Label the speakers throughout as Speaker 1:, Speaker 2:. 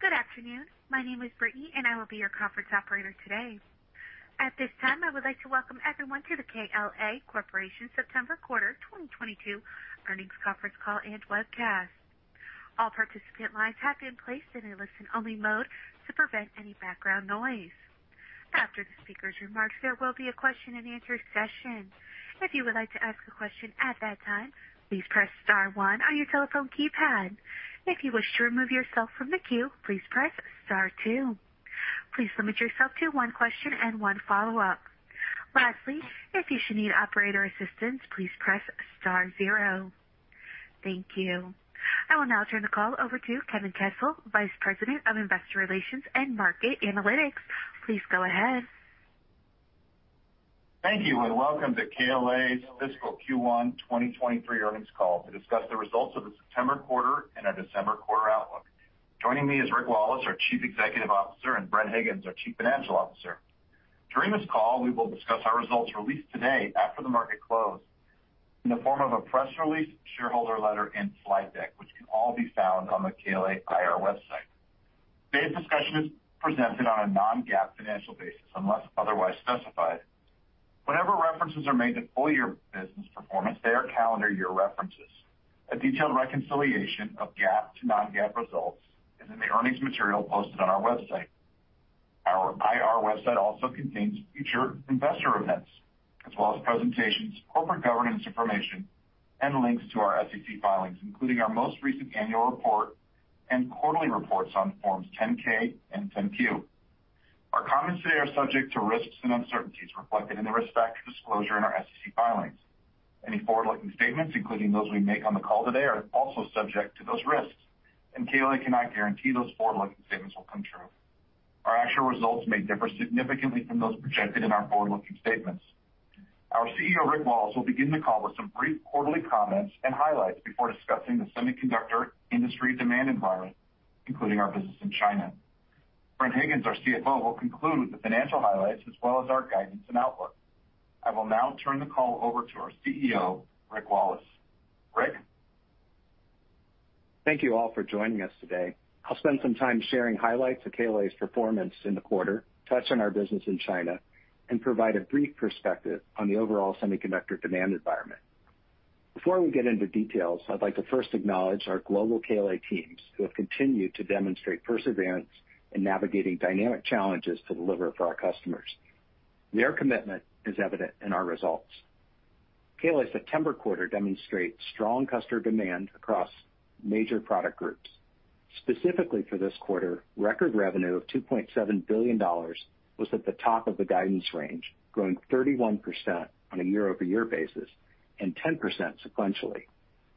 Speaker 1: Good afternoon. My name is Brittany, and I will be your conference operator today. At this time, I would like to welcome everyone to the KLA Corporation September quarter 2022 earnings conference call and webcast. All participant lines have been placed in a listen-only mode to prevent any background noise. After the speaker's remarks, there will be a question-and-answer session. If you would like to ask a question at that time, please press star one on your telephone keypad. If you wish to remove yourself from the queue, please press star two. Please limit yourself to one question and one follow-up. Lastly, if you should need operator assistance, please press star zero. Thank you. I will now turn the call over to Kevin Kessel, Vice President of Investor Relations and Market Analytics. Please go ahead.
Speaker 2: Thank you, and welcome to KLA's fiscal Q1 2023 earnings call to discuss the results of the September quarter and our December quarter outlook. Joining me is Rick Wallace, our Chief Executive Officer, and Bren Higgins, our Chief Financial Officer. During this call, we will discuss our results released today after the market closed in the form of a press release, shareholder letter, and slide deck, which can all be found on the KLA IR website. Today's discussion is presented on a non-GAAP financial basis, unless otherwise specified. Whenever references are made to full year business performance, they are calendar year references. A detailed reconciliation of GAAP to non-GAAP results is in the earnings material posted on our website. Our IR website also contains future investor events as well as presentations, corporate governance information, and links to our SEC filings, including our most recent annual report and quarterly reports on Forms 10-K and 10-Q. Our comments today are subject to risks and uncertainties reflected in the risk factor disclosure in our SEC filings. Any forward-looking statements, including those we make on the call today, are also subject to those risks, and KLA cannot guarantee those forward-looking statements will come true. Our actual results may differ significantly from those projected in our forward-looking statements. Our CEO, Rick Wallace, will begin the call with some brief quarterly comments and highlights before discussing the semiconductor industry demand environment, including our business in China. Bren Higgins, our CFO, will conclude with the financial highlights as well as our guidance and outlook. I will now turn the call over to our CEO, Rick Wallace. Rick.
Speaker 3: Thank you all for joining us today. I'll spend some time sharing highlights of KLA's performance in the quarter, touch on our business in China, and provide a brief perspective on the overall semiconductor demand environment. Before we get into details, I'd like to first acknowledge our global KLA teams who have continued to demonstrate perseverance in navigating dynamic challenges to deliver for our customers. Their commitment is evident in our results. KLA's September quarter demonstrates strong customer demand across major product groups. Specifically for this quarter, record revenue of $2.7 billion was at the top of the guidance range, growing 31% on a year-over-year basis and 10% sequentially.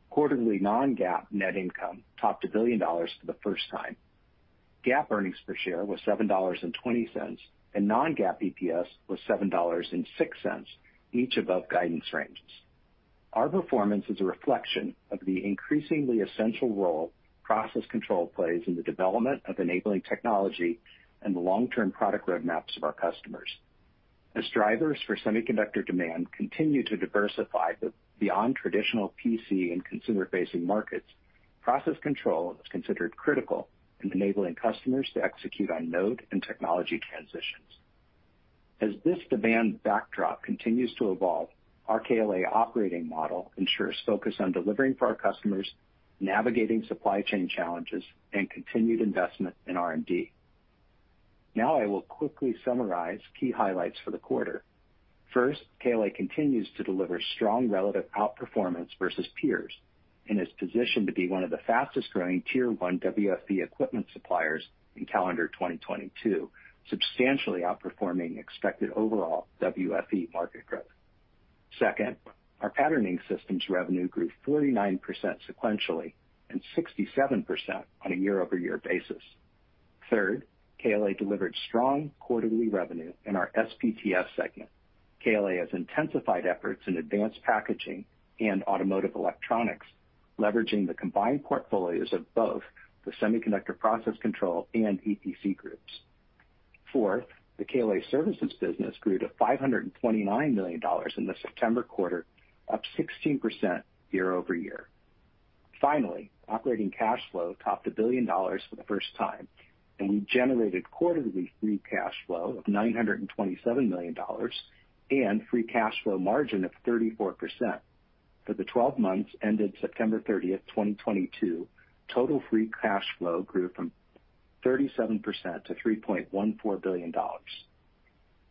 Speaker 3: Quarterly non-GAAP net income topped $1 billion for the first time. GAAP earnings per share was $7.20, and non-GAAP EPS was $7.06, each above guidance ranges. Our performance is a reflection of the increasingly essential role process control plays in the development of enabling technology and the long-term product roadmaps of our customers. As drivers for semiconductor demand continue to diversify beyond traditional PC and consumer-facing markets, process control is considered critical in enabling customers to execute on node and technology transitions. As this demand backdrop continues to evolve, our KLA operating model ensures focus on delivering for our customers, navigating supply chain challenges, and continued investment in R&D. Now I will quickly summarize key highlights for the quarter. First, KLA continues to deliver strong relative outperformance versus peers and is positioned to be one of the fastest growing tier one WFE equipment suppliers in calendar 2022, substantially outperforming expected overall WFE market growth. Second, our patterning systems revenue grew 49% sequentially and 67% on a year-over-year basis. Third, KLA delivered strong quarterly revenue in our SPTS segment. KLA has intensified efforts in advanced packaging and automotive electronics, leveraging the combined portfolios of both the semiconductor process control and EPC groups. Fourth, the KLA services business grew to $529 million in the September quarter, up 16% year-over-year. Finally, operating cash flow topped $1 billion for the first time, and we generated quarterly free cash flow of $927 million and free cash flow margin of 34%. For the 12 months ended September 30, 2022, total free cash flow grew 37% to $3.14 billion.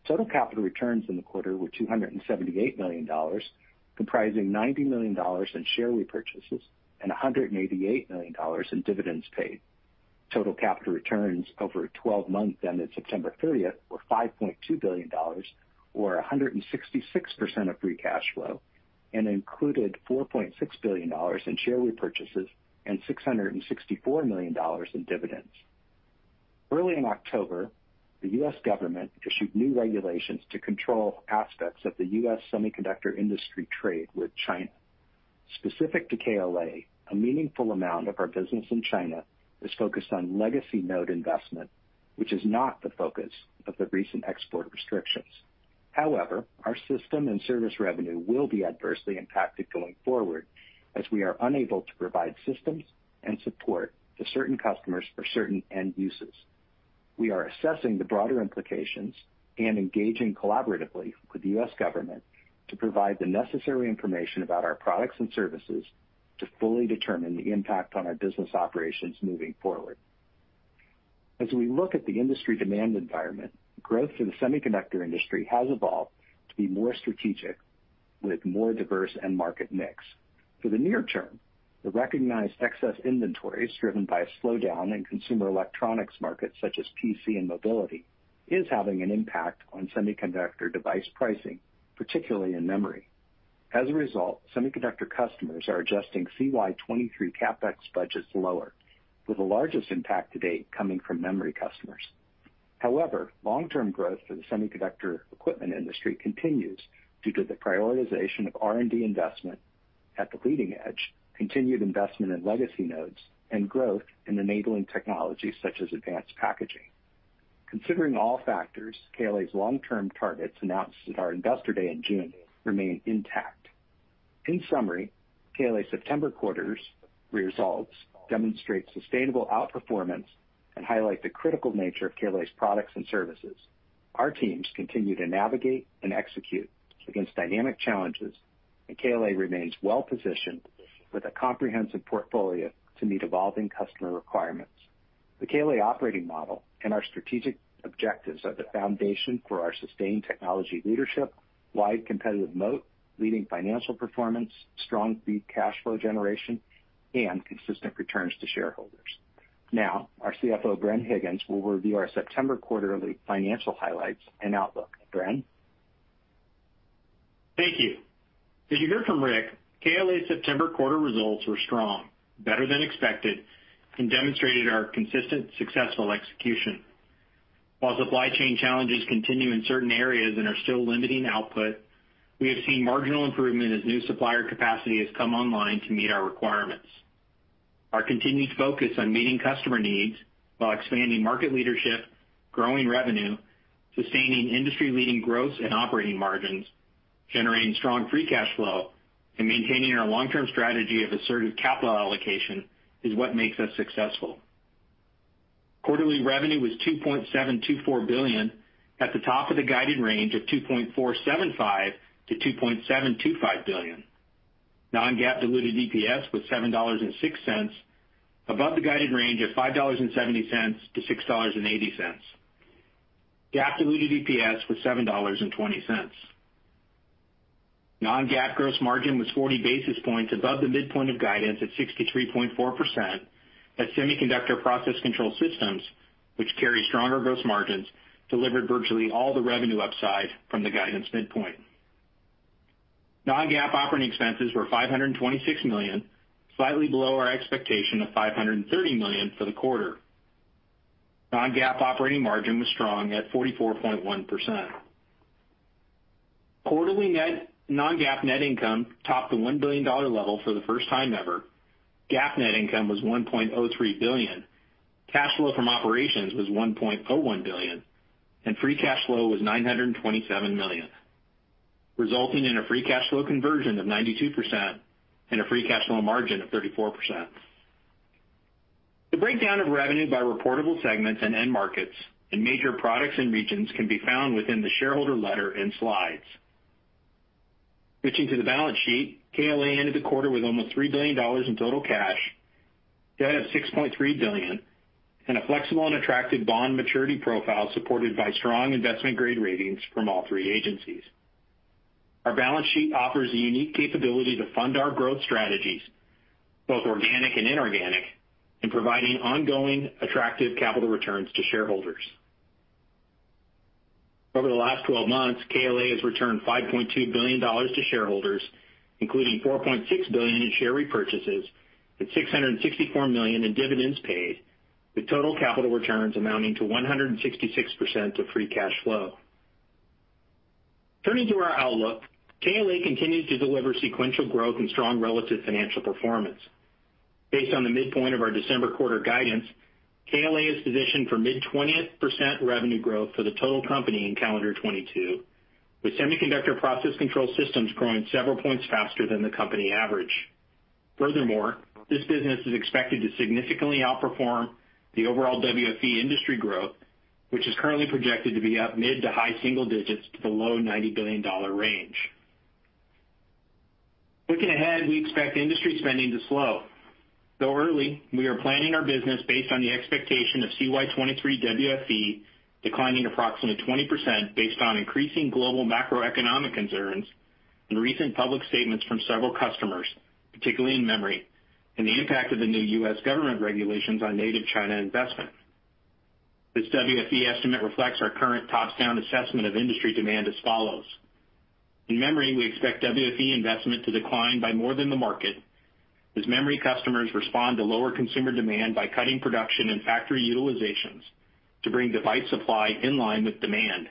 Speaker 3: Total capital returns in the quarter were $278 million, comprising $90 million in share repurchases and $188 million in dividends paid. Total capital returns over a twelve-month ended September thirtieth were $5.2 billion or 166% of free cash flow and included $4.6 billion in share repurchases and $664 million in dividends. Early in October, the U.S. government issued new regulations to control aspects of the U.S. semiconductor industry trade with China. Specific to KLA, a meaningful amount of our business in China is focused on legacy node investment, which is not the focus of the recent export restrictions. However, our system and service revenue will be adversely impacted going forward as we are unable to provide systems and support to certain customers for certain end uses. We are assessing the broader implications and engaging collaboratively with the U.S. government to provide the necessary information about our products and services to fully determine the impact on our business operations moving forward. As we look at the industry demand environment, growth in the semiconductor industry has evolved to be more strategic with more diverse end market mix. For the near term, the recognized excess inventories driven by a slowdown in consumer electronics markets such as PC and mobility is having an impact on semiconductor device pricing, particularly in memory. As a result, semiconductor customers are adjusting CY 2023 CapEx budgets lower, with the largest impact to date coming from memory customers. However, long-term growth for the semiconductor equipment industry continues due to the prioritization of R&D investment at the leading edge, continued investment in legacy nodes, and growth in enabling technologies such as advanced packaging. Considering all factors, KLA's long-term targets announced at our Investor Day in June remain intact. In summary, KLA's September quarter's results demonstrate sustainable outperformance and highlight the critical nature of KLA's products and services. Our teams continue to navigate and execute against dynamic challenges, and KLA remains well-positioned with a comprehensive portfolio to meet evolving customer requirements. The KLA operating model and our strategic objectives are the foundation for our sustained technology leadership, wide competitive moat, leading financial performance, strong free cash flow generation, and consistent returns to shareholders. Now, our CFO, Bren Higgins, will review our September quarterly financial highlights and outlook. Bren?
Speaker 4: Thank you. As you heard from Rick, KLA's September quarter results were strong, better than expected, and demonstrated our consistent successful execution. While supply chain challenges continue in certain areas and are still limiting output, we have seen marginal improvement as new supplier capacity has come online to meet our requirements. Our continued focus on meeting customer needs while expanding market leadership, growing revenue, sustaining industry-leading gross and operating margins, generating strong free cash flow, and maintaining our long-term strategy of assertive capital allocation is what makes us successful. Quarterly revenue was $2.724 billion, at the top of the guided range of $2.475 billion-$2.725 billion. Non-GAAP diluted EPS was $7.06, above the guided range of $5.70-$6.80. GAAP diluted EPS was $7.20. Non-GAAP gross margin was 40 basis points above the midpoint of guidance at 63.4%, as semiconductor process control systems, which carry stronger gross margins, delivered virtually all the revenue upside from the guidance midpoint. Non-GAAP operating expenses were $526 million, slightly below our expectation of $530 million for the quarter. Non-GAAP operating margin was strong at 44.1%. Quarterly non-GAAP net income topped the $1 billion level for the first time ever. GAAP net income was $1.03 billion. Cash flow from operations was $1.01 billion, and free cash flow was $927 million, resulting in a free cash flow conversion of 92% and a free cash flow margin of 34%. The breakdown of revenue by reportable segments and end markets and major products and regions can be found within the shareholder letter and slides. Switching to the balance sheet, KLA ended the quarter with almost $3 billion in total cash, debt of $6.3 billion, and a flexible and attractive bond maturity profile supported by strong investment-grade ratings from all three agencies. Our balance sheet offers a unique capability to fund our growth strategies, both organic and inorganic, in providing ongoing attractive capital returns to shareholders. Over the last 12 months, KLA has returned $5.2 billion to shareholders, including $4.6 billion in share repurchases and $664 million in dividends paid, with total capital returns amounting to 166% of free cash flow. Turning to our outlook, KLA continues to deliver sequential growth and strong relative financial performance. Based on the midpoint of our December quarter guidance, KLA is positioned for mid-20s percentage revenue growth for the total company in calendar 2022, with semiconductor process control systems growing several points faster than the company average. Furthermore, this business is expected to significantly outperform the overall WFE industry growth, which is currently projected to be up mid- to high-single digits percentage to the low $90 billion range. Looking ahead, we expect industry spending to slow. Though early, we are planning our business based on the expectation of CY 2023 WFE declining approximately 20% based on increasing global macroeconomic concerns and recent public statements from several customers, particularly in memory, and the impact of the new U.S. government regulations on native China investment. This WFE estimate reflects our current top-down assessment of industry demand as follows. In memory, we expect WFE investment to decline by more than the market as memory customers respond to lower consumer demand by cutting production and factory utilizations to bring device supply in line with demand.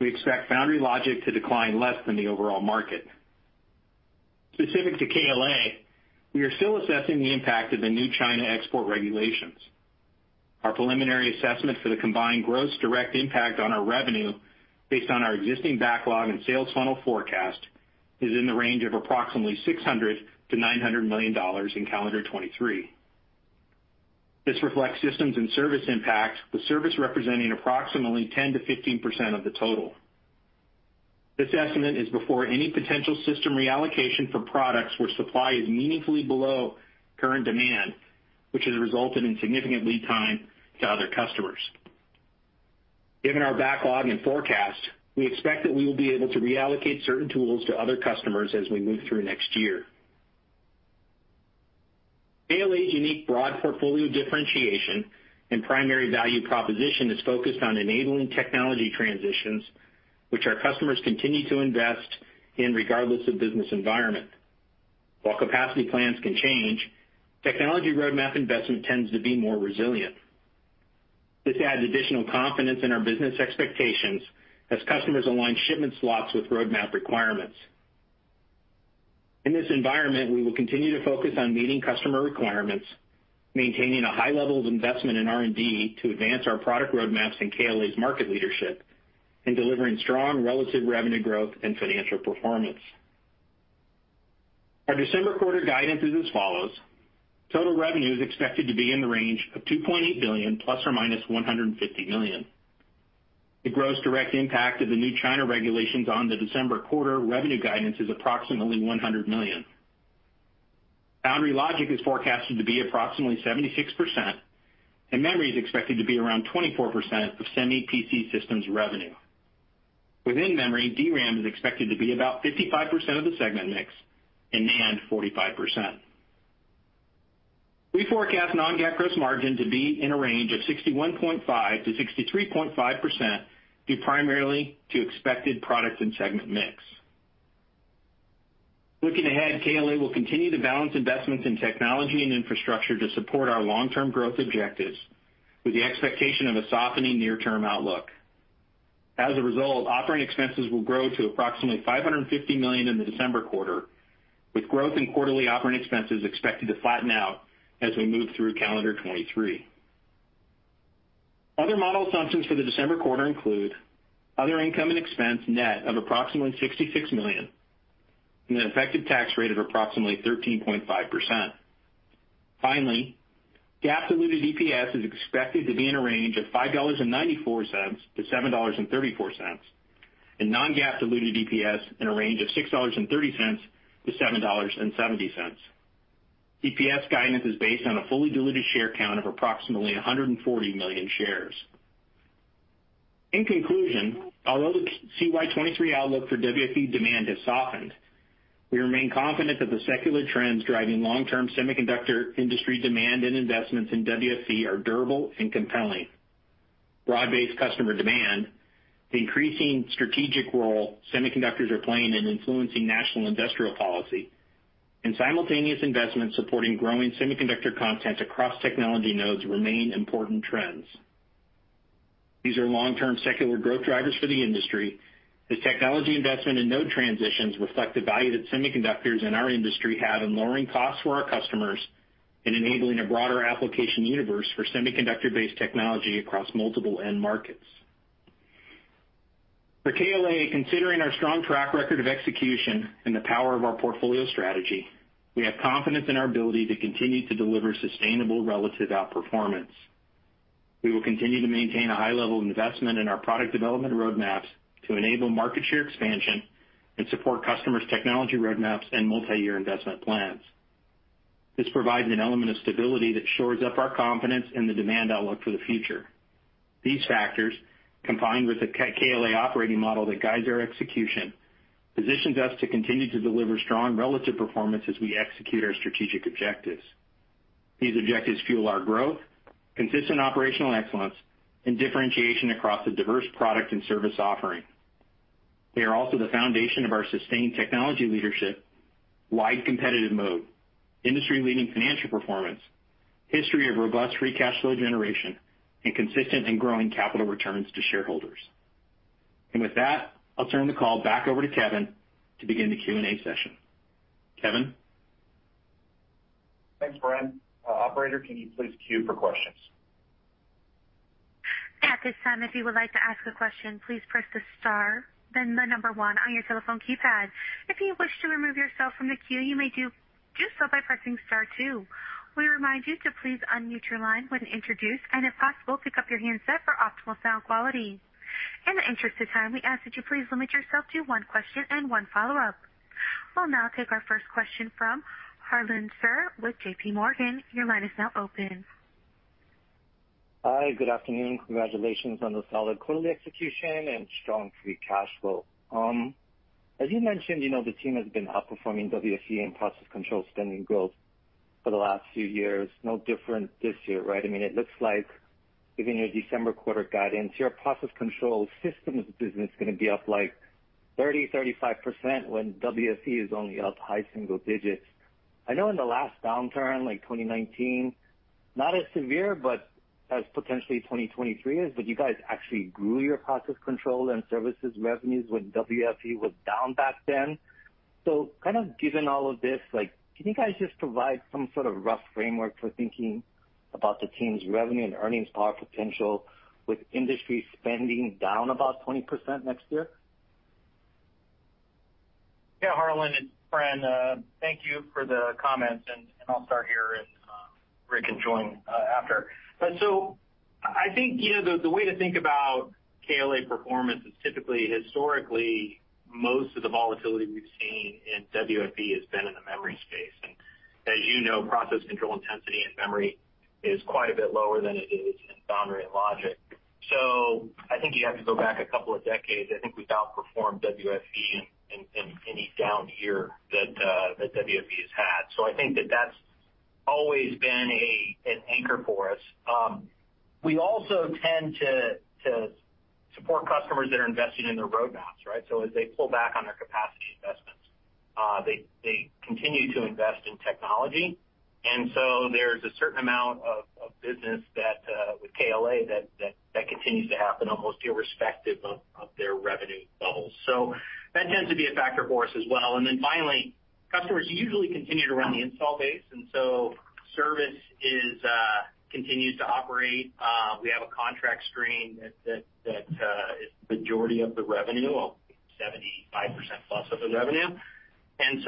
Speaker 4: We expect foundry logic to decline less than the overall market. Specific to KLA, we are still assessing the impact of the new China export regulations. Our preliminary assessment for the combined gross direct impact on our revenue based on our existing backlog and sales funnel forecast is in the range of approximately $600 million-$900 million in 2023. This reflects systems and service impact, with service representing approximately 10%-15% of the total. This estimate is before any potential system reallocation for products where supply is meaningfully below current demand, which has resulted in significant lead time to other customers. Given our backlog and forecast, we expect that we will be able to reallocate certain tools to other customers as we move through next year. KLA's unique broad portfolio differentiation and primary value proposition is focused on enabling technology transitions, which our customers continue to invest in regardless of business environment. While capacity plans can change, technology roadmap investment tends to be more resilient. This adds additional confidence in our business expectations as customers align shipment slots with roadmap requirements. In this environment, we will continue to focus on meeting customer requirements, maintaining a high level of investment in R&D to advance our product roadmaps and KLA's market leadership, and delivering strong relative revenue growth and financial performance. Our December quarter guidance is as follows. Total revenue is expected to be in the range of $2.8 billion ± $150 million. The gross direct impact of the new China regulations on the December quarter revenue guidance is approximately $100 million. Foundry logic is forecasted to be approximately 76%, and memory is expected to be around 24% of Semi PC systems revenue. Within memory, DRAM is expected to be about 55% of the segment mix and NAND 45%. We forecast non-GAAP gross margin to be in a range of 61.5%-63.5% due primarily to expected product and segment mix. Looking ahead, KLA will continue to balance investments in technology and infrastructure to support our long-term growth objectives with the expectation of a softening near-term outlook. As a result, operating expenses will grow to approximately $550 million in the December quarter, with growth in quarterly operating expenses expected to flatten out as we move through calendar 2023. Other model assumptions for the December quarter include other income and expense net of approximately $66 million and an effective tax rate of approximately 13.5%. Finally, GAAP diluted EPS is expected to be in a range of $5.94-$7.34, and non-GAAP diluted EPS in a range of $6.30-$7.70. EPS guidance is based on a fully diluted share count of approximately 140 million shares. In conclusion, although the CY 2023 outlook for WFE demand has softened, we remain confident that the secular trends driving long-term semiconductor industry demand and investments in WFE are durable and compelling. Broad-based customer demand, the increasing strategic role semiconductors are playing in influencing national industrial policy, and simultaneous investments supporting growing semiconductor content across technology nodes remain important trends. These are long-term secular growth drivers for the industry, as technology investment in node transitions reflect the value that semiconductors in our industry have in lowering costs for our customers and enabling a broader application universe for semiconductor-based technology across multiple end markets. For KLA, considering our strong track record of execution and the power of our portfolio strategy, we have confidence in our ability to continue to deliver sustainable relative outperformance. We will continue to maintain a high level of investment in our product development roadmaps to enable market share expansion and support customers' technology roadmaps and multiyear investment plans. This provides an element of stability that shores up our confidence in the demand outlook for the future. These factors, combined with the KLA operating model that guides our execution, positions us to continue to deliver strong relative performance as we execute our strategic objectives. These objectives fuel our growth, consistent operational excellence, and differentiation across a diverse product and service offering. They are also the foundation of our sustained technology leadership, wide competitive moat, industry-leading financial performance, history of robust free cash flow generation, and consistent and growing capital returns to shareholders. With that, I'll turn the call back over to Kevin to begin the Q&A session. Kevin?
Speaker 2: Thanks, Bren. Operator, can you please queue for questions?
Speaker 1: At this time, if you would like to ask a question, please press the star, then the number one on your telephone keypad. If you wish to remove yourself from the queue, you may do so by pressing star two. We remind you to please unmute your line when introduced, and if possible, pick up your handset for optimal sound quality. In the interest of time, we ask that you please limit yourself to one question and one follow-up. We'll now take our first question from Harlan Sur with JPMorgan. Your line is now open.
Speaker 5: Hi. Good afternoon. Congratulations on the solid quarterly execution and strong free cash flow. As you mentioned, you know, the team has been outperforming WFE and process control spending growth for the last few years. No different this year, right? I mean, it looks like giving your December quarter guidance, your process control systems business is gonna be up, like, 30%-35% when WFE is only up high single digits. I know in the last downturn, like 2019, not as severe, but as potentially 2023 is, but you guys actually grew your process control and services revenues when WFE was down back then. Kind of given all of this, like, can you guys just provide some sort of rough framework for thinking about the team's revenue and earnings power potential with industry spending down about 20% next year?
Speaker 4: Yeah, Harlan Sur, it's Bren. Thank you for the comments, and I'll start here and Rick can join after. I think, you know, the way to think about KLA performance is typically, historically, most of the volatility we've seen in WFE has been in the memory space. As you know, process control intensity in memory is quite a bit lower than it is in foundry and logic. I think you have to go back a couple of decades. I think we've outperformed WFE in any down year that WFE has had. I think that that's always been an anchor for us. We also tend to support customers that are investing in their roadmaps, right? As they pull back on their capacity investments, they continue to invest in technology. There's a certain amount of business that with KLA that continues to happen almost irrespective of their revenue levels. That tends to be a factor for us as well. Finally, customers usually continue to run the installed base, and service continues to operate. We have a contract stream that is the majority of the revenue, 75% plus of the revenue.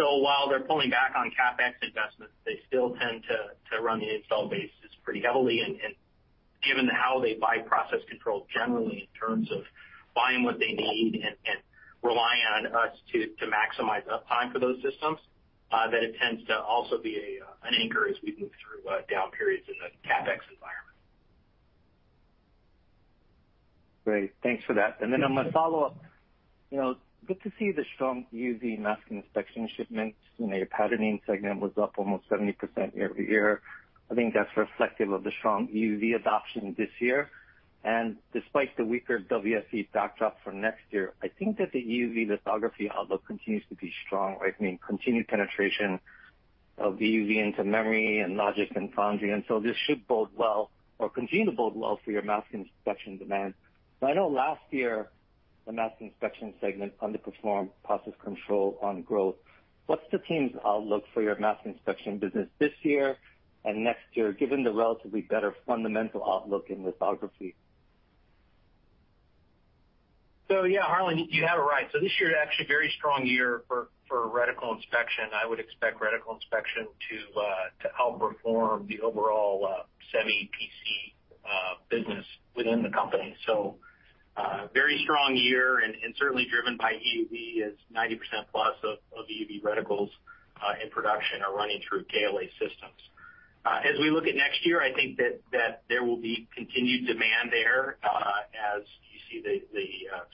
Speaker 4: While they're pulling back on CapEx investments, they still tend to run the installed bases pretty heavily. Given how they buy process control generally in terms of buying what they need and relying on us to maximize uptime for those systems, that it tends to also be an anchor as we move through down periods in the CapEx environment.
Speaker 5: Great. Thanks for that. Then on my follow-up, you know, good to see the strong EUV mask inspection shipments. You know, your patterning segment was up almost 70% year-over-year. I think that's reflective of the strong EUV adoption this year. Despite the weaker WFE backdrop for next year, I think that the EUV lithography outlook continues to be strong, right? I mean, continued penetration of EUV into memory and logic and foundry, and so this should bode well or continue to bode well for your mask inspection demand. I know last year, the mask inspection segment underperformed process control on growth. What's the team's outlook for your mask inspection business this year and next year, given the relatively better fundamental outlook in lithography?
Speaker 4: Yeah, Harlan, you have it right. This year is actually a very strong year for reticle inspection. I would expect reticle inspection to outperform the overall Semi PC business within the company. Very strong year and certainly driven by EUV as 90%+ of EUV reticles in production are running through KLA systems. As we look at next year, I think that there will be continued demand there, as you see the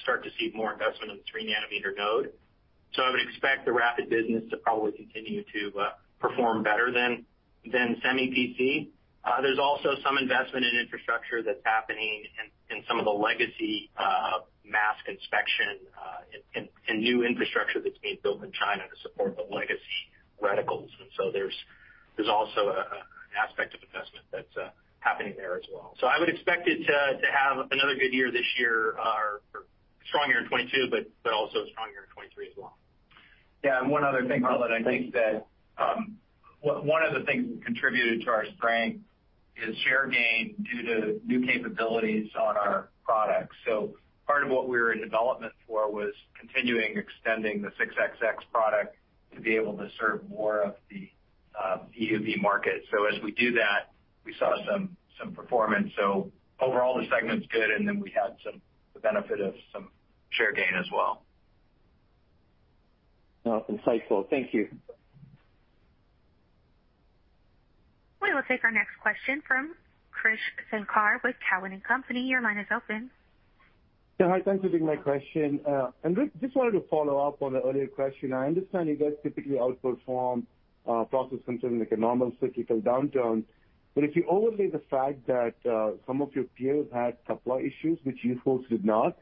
Speaker 4: start to see more investment in the 3 nm node. I would expect the RAPID business to probably continue to perform better than Semi PC. There's also some investment in infrastructure that's happening in some of the legacy mask inspection and new infrastructure that's being built in China to support the legacy reticles. There's also an aspect of investment that's happening there as well. I would expect it to have another good year this year or strong year in 2022, but also strong year in 2023 as well. Yeah, one other thing, Harlan. I think that one of the things that contributed to our strength is share gain due to new capabilities on our products. Part of what we were in development for was continuing extending the 6XX product to be able to serve more of the EUV market. As we do that, we saw some performance. Overall, the segment's good, and then we had some benefit of some share gain as well.
Speaker 5: Oh, insightful. Thank you.
Speaker 1: We will take our next question from Krish Sankar with Cowen and Company. Your line is open.
Speaker 6: Yeah. Hi, thanks for taking my question. Rick, just wanted to follow up on the earlier question. I understand you guys typically outperform process control in, like, a normal cyclical downturn. If you overlay the fact that some of your peers had supply issues which you folks did not,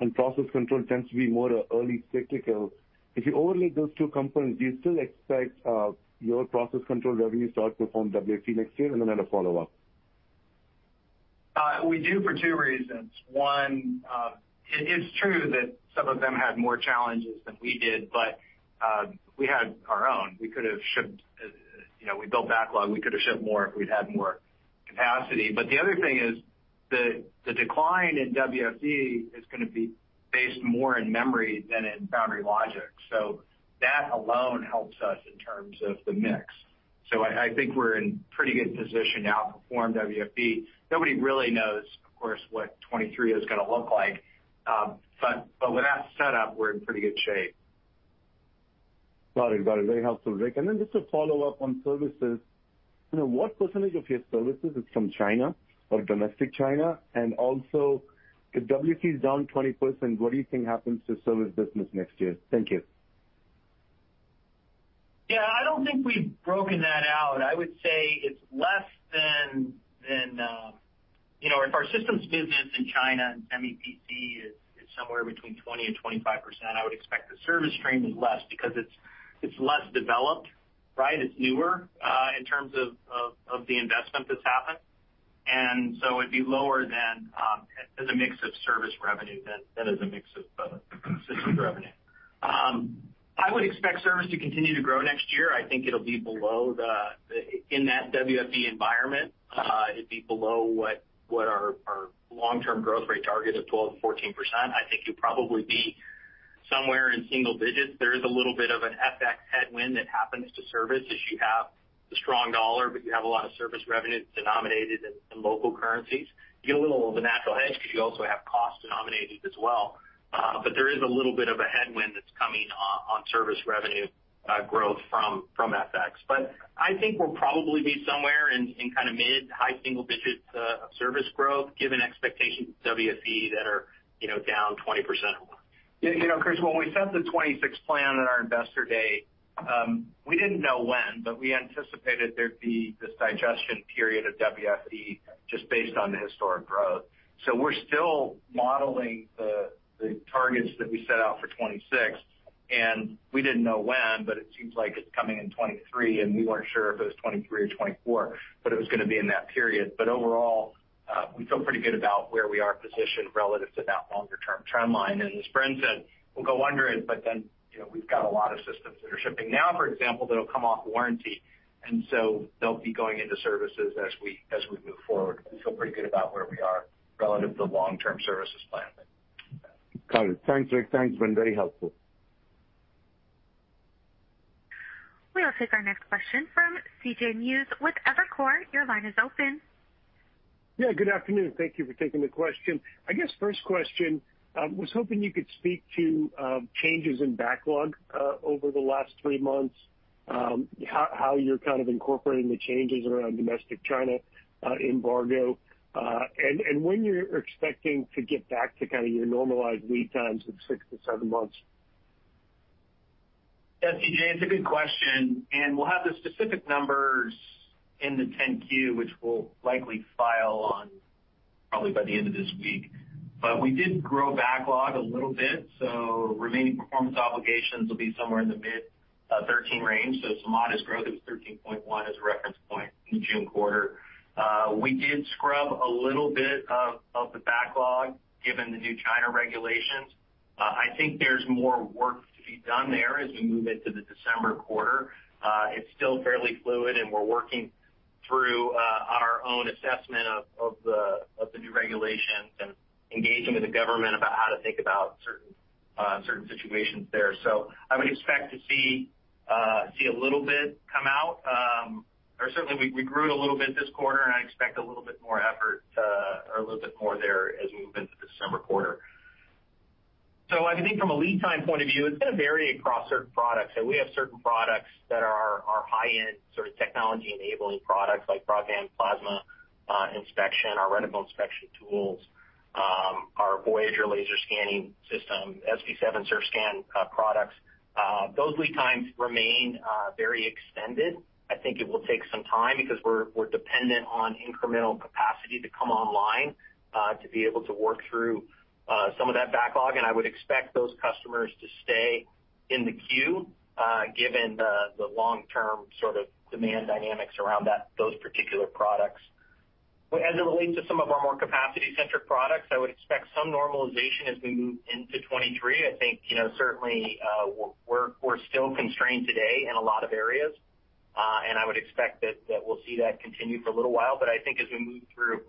Speaker 6: and process control tends to be more early cyclical. If you overlay those two components, do you still expect your process control revenue to outperform WFE next year? Then I have a follow-up.
Speaker 4: We do for two reasons. One, it is true that some of them had more challenges than we did, but we had our own. We could have shipped, you know, we built backlog. We could have shipped more if we'd had more capacity. The other thing is the decline in WFE is gonna be based more in memory than in foundry logic. That alone helps us in terms of the mix. I think we're in pretty good position to outperform WFE. Nobody really knows, of course, what 2023 is gonna look like. With that setup, we're in pretty good shape.
Speaker 6: Got it. Very helpful, Rick. Then just to follow up on services, you know, what percentage of your services is from China or domestic China? Also, if WFE is down 20%, what do you think happens to service business next year? Thank you.
Speaker 4: Yeah. I don't think we've broken that out. I would say it's less. Our systems business in China and EPC is somewhere between 20%-25%. I would expect the service stream is less because it's less developed, right? It's newer in terms of the investment that's happened. It'd be lower than as a mix of service revenue than as a mix of systems revenue. I would expect service to continue to grow next year. I think it'll be below in that WFE environment. It'd be below what our long-term growth rate target of 12%-14%. I think you'll probably be somewhere in single digits. There is a little bit of an FX headwind that happens to service as you have the strong dollar, but you have a lot of service revenue that's denominated in local currencies. You get a little of a natural hedge because you also have costs denominated as well. There is a little bit of a headwind that's coming on service revenue growth from FX. I think we'll probably be somewhere in kind of mid high single digits of service growth, given expectations of WFE that are, you know, down 20% or more. You know, Krish, when we set the 2026 plan on our Investor Day, we didn't know when, but we anticipated there'd be this digestion period of WFE just based on the historic growth.
Speaker 3: We're still modeling the targets that we set out for 2026, and we didn't know when, but it seems like it's coming in 2023, and we weren't sure if it was 2023 or 2024, but it was gonna be in that period. Overall, we feel pretty good about where we are positioned relative to that longer term trend line. As Bren said, we'll go under it, but then, you know, we've got a lot of systems that are shipping now, for example, that'll come off warranty, and so they'll be going into services as we move forward. We feel pretty good about where we are relative to long-term services planning.
Speaker 6: Got it. Thanks, Rick. Thanks. Been very helpful.
Speaker 1: We'll take our next question from C.J. Muse with Evercore. Your line is open.
Speaker 7: Yeah, good afternoon. Thank you for taking the question. I guess first question, was hoping you could speak to changes in backlog over the last three months, how you're kind of incorporating the changes around domestic China embargo, and when you're expecting to get back to kind of your normalized lead times of six to seven months.
Speaker 4: Yeah, C.J., it's a good question, and we'll have the specific numbers in the 10-Q, which we'll likely file on probably by the end of this week. We did grow backlog a little bit, so remaining performance obligations will be somewhere in the mid-$13 range. Some modest growth. It was $13.1 as a reference point in June quarter. We did scrub a little bit of the backlog given the new China regulations. I think there's more work to be done there as we move into the December quarter. It's still fairly fluid, and we're working through our own assessment of the new regulations and engaging with the government about how to think about certain situations there. I would expect to see a little bit come out. Certainly we grew it a little bit this quarter, and I expect a little bit more effort, or a little bit more there as we move into the December quarter. I think from a lead time point of view, it's gonna vary across certain products. We have certain products that are our high-end sort of technology-enabling products like Broadband plasma inspection, our reticle inspection tools, our Voyager laser scanning system, SP7 Surfscan products. Those lead times remain very extended. I think it will take some time because we're dependent on incremental capacity to come online to be able to work through some of that backlog. I would expect those customers to stay in the queue, given the long-term sort of demand dynamics around those particular products. As it relates to some of our more capacity-centric products, I would expect some normalization as we move into 2023. I think, you know, certainly, we're still constrained today in a lot of areas, and I would expect that we'll see that continue for a little while. I think as we move through 2023,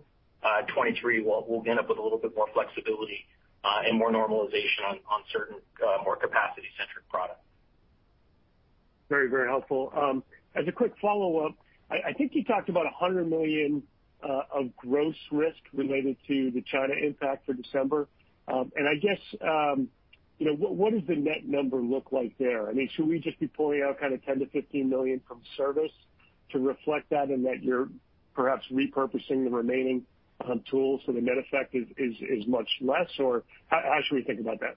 Speaker 4: we'll end up with a little bit more flexibility, and more normalization on certain more capacity-centric products.
Speaker 7: Very, very helpful. As a quick follow-up, I think you talked about $100 million of gross risk related to the China impact for December. And I guess, you know, what does the net number look like there? I mean, should we just be pulling out kind of $10 million-$15 million from service to reflect that and that you're perhaps repurposing the remaining tools so the net effect is much less? Or how should we think about that?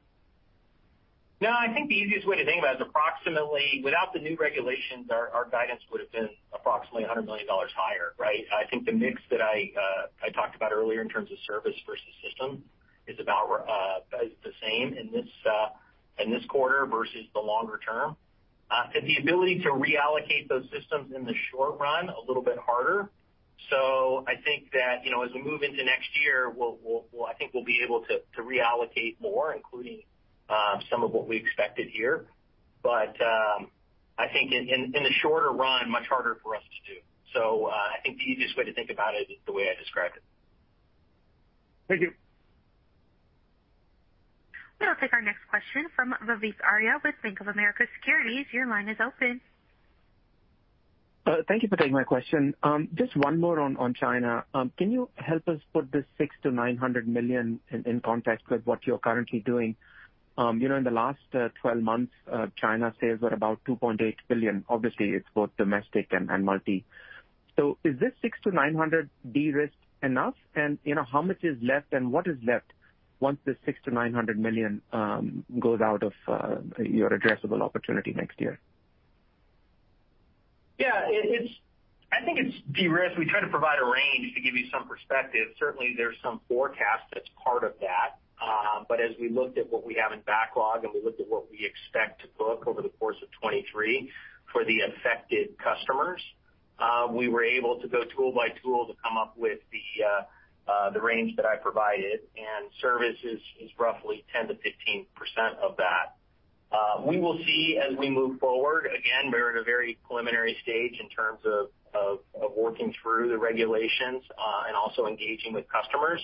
Speaker 4: No, I think the easiest way to think about it is approximately without the new regulations, our guidance would have been approximately $100 million higher, right? I think the mix that I talked about earlier in terms of service versus system is the same in this quarter versus the longer term. The ability to reallocate those systems in the short run a little bit harder. I think that, you know, as we move into next year, we'll be able to reallocate more, including some of what we expected here. I think in the shorter run, much harder for us to do. I think the easiest way to think about it is the way I described it.
Speaker 7: Thank you.
Speaker 1: We'll take our next question from Vivek Arya with Bank of America Securities. Your line is open.
Speaker 8: Thank you for taking my question. Just one more on China. Can you help us put this $600 million-$900 million in context with what you're currently doing? You know, in the last twelve months, China sales were about $2.8 billion. Obviously, it's both domestic and multi. Is this $600 million-$900 million de-risked enough? You know, how much is left and what is left once this $600 million-$900 million goes out of your addressable opportunity next year?
Speaker 4: Yeah, I think it's de-risked. We try to provide a range to give you some perspective. Certainly, there's some forecast that's part of that. As we looked at what we have in backlog, and we looked at what we expect to book over the course of 2023 for the affected customers, we were able to go tool by tool to come up with the range that I provided, and service is roughly 10%-15% of that. We will see as we move forward, again, we're at a very preliminary stage in terms of working through the regulations, and also engaging with customers.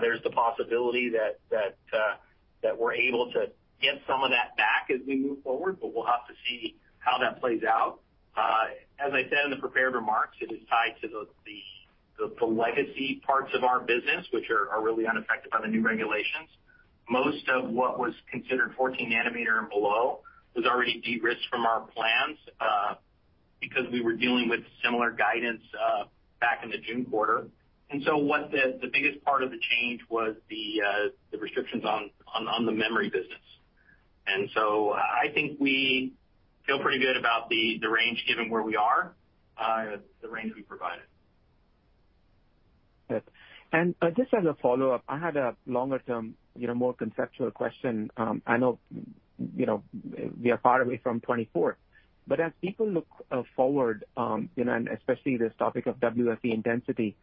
Speaker 4: There's the possibility that we're able to get some of that back as we move forward, but we'll have to see how that plays out. As I said in the prepared remarks, it is tied to the legacy parts of our business, which are really unaffected by the new regulations. Most of what was considered 14 nm and below was already de-risked from our plans, because we were dealing with similar guidance, back in the June quarter. What the biggest part of the change was, the restrictions on the memory business. I think we feel pretty good about the range given where we are, the range we provided.
Speaker 8: Yes. Just as a follow-up, I had a longer-term, you know, more conceptual question. I know, you know, we are far away from 2024, but as people look forward, you know, and especially this topic of WFE intensity,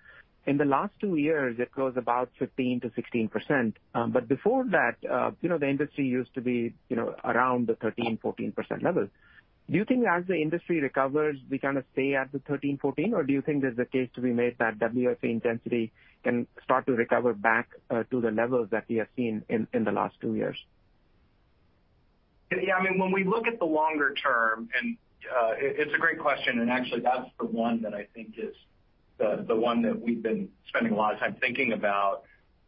Speaker 8: in the last two years, it grows about 15%-16%. But before that, you know, the industry used to be, you know, around the 13%-14% levels. Do you think as the industry recovers, we kind of stay at the 13%-14%? Or do you think there's a case to be made that WFE intensity can start to recover back to the levels that we have seen in the last two years?
Speaker 4: Yeah. I mean, when we look at the longer term, it's a great question, and actually that's the one that I think is the one that we've been spending a lot of time thinking about.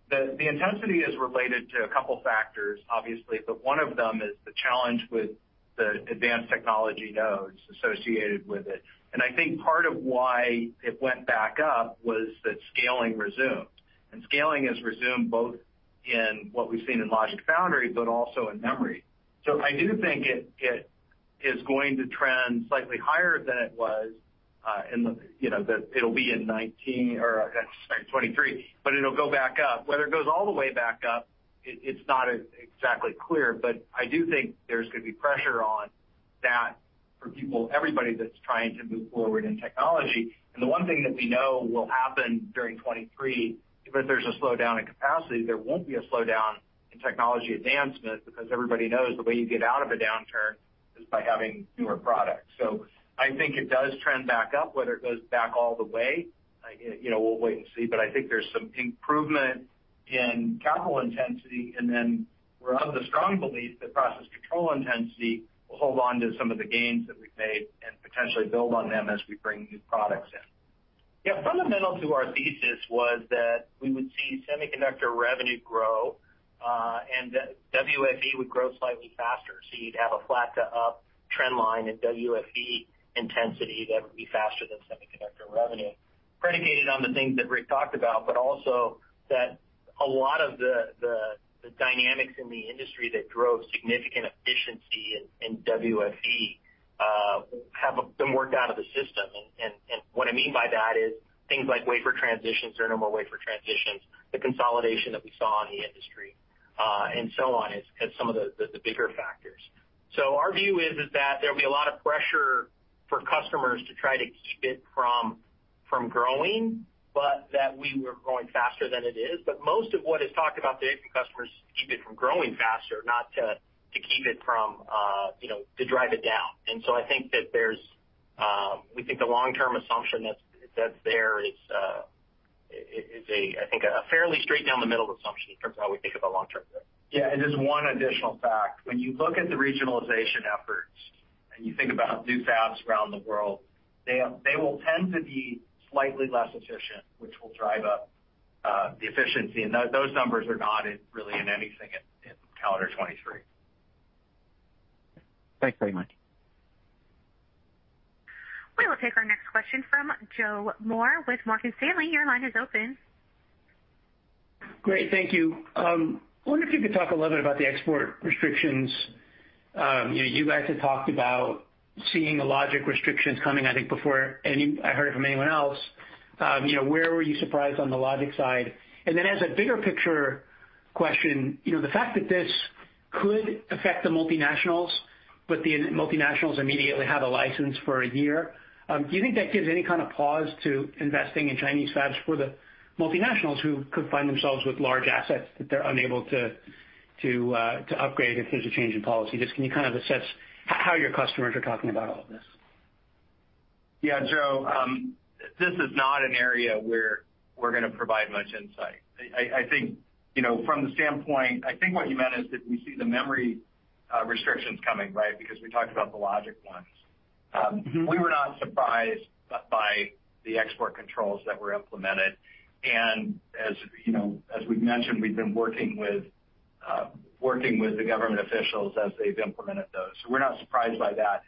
Speaker 4: The intensity is related to a couple factors, obviously, but one of them is the challenge with the advanced technology nodes associated with it. I think part of why it went back up was that scaling resumed. Scaling has resumed both in what we've seen in foundry logic, but also in memory. I do think it is going to trend slightly higher than it was, you know, in 2023, but it'll go back up. Whether it goes all the way back up, it's not exactly clear, but I do think there's gonna be pressure on that for people, everybody that's trying to move forward in technology. The one thing that we know will happen during 2023, if there's a slowdown in capacity, there won't be a slowdown in technology advancement because everybody knows the way you get out of a downturn is by having newer products. I think it does trend back up. Whether it goes back all the way, you know, we'll wait and see. I think there's some improvement in capital intensity, and then we're of the strong belief that process control intensity will hold on to some of the gains that we've made and potentially build on them as we bring new products in. Yeah. Fundamental to our thesis was that we would see semiconductor revenue grow, and that WFE would grow slightly faster. You'd have a flat to up trend line in WFE intensity that would be faster than semiconductor revenue. Predicated on the things that Rick talked about, but also that a lot of the dynamics in the industry that drove significant efficiency in WFE have been worked out of the system. What I mean by that is things like wafer transitions, there are no more wafer transitions, the consolidation that we saw in the industry, and so on is some of the bigger factors. Our view is that there'll be a lot of pressure for customers to try to keep it from growing, but that we were growing faster than it is. Most of what is talked about today from customers is to keep it from growing faster, not to keep it from, you know, to drive it down. I think we think the long-term assumption that's there is a, I think, a fairly straight down the middle assumption in terms of how we think about long-term growth. Yeah. Just one additional fact. When you look at the regionalization efforts and you think about new fabs around the world, they will tend to be slightly less efficient, which will drive up the efficiency. Those numbers are not really in anything in calendar 2023.
Speaker 8: Thanks very much.
Speaker 1: We will take our next question from Joe Moore with Morgan Stanley. Your line is open.
Speaker 9: Great. Thank you. I wonder if you could talk a little bit about the export restrictions. You know, you guys had talked about seeing the logic restrictions coming, I think, before anyone else. You know, where were you surprised on the logic side? As a bigger picture question, you know, the fact that this could affect the multinationals, but the multinationals immediately have a license for a year, do you think that gives any kind of pause to investing in Chinese fabs for the multinationals who could find themselves with large assets that they're unable to upgrade if there's a change in policy? Just can you kind of assess how your customers are talking about all of this?
Speaker 4: Yeah. Joe, this is not an area where we're gonna provide much insight. I think from the standpoint, I think what you meant is did we see the memory restrictions coming, right? Because we talked about the logic ones. We were not surprised by the export controls that were implemented. As we've mentioned, we've been working with the government officials as they've implemented those. We're not surprised by that.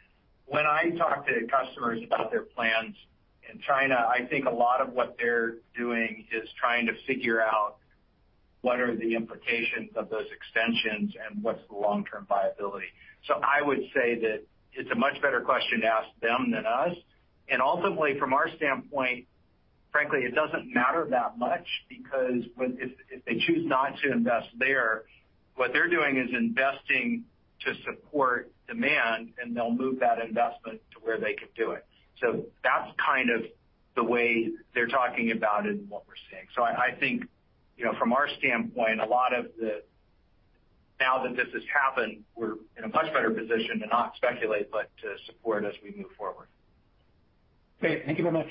Speaker 4: When I talk to customers about their plans in China, I think a lot of what they're doing is trying to figure out what are the implications of those extensions and what's the long-term viability? I would say that it's a much better question to ask them than us. Ultimately, from our standpoint, frankly, it doesn't matter that much because if they choose not to invest there, what they're doing is investing to support demand, and they'll move that investment to where they can do it. That's kind of the way they're talking about it and what we're seeing. I think, you know, from our standpoint, a lot of the now that this has happened, we're in a much better position to not speculate, but to support as we move forward. Great. Thank you very much.